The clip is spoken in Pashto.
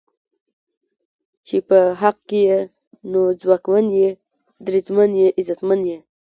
چې په حق ئې نو ځواکمن یې، دریځمن یې، عزتمن یې